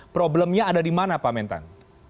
problemnya ada di mana pak mentan